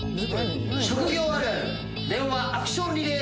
職業あるある電話アクションリレー